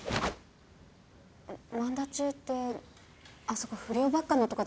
萬田中ってあそこ不良ばっかのとこだよね？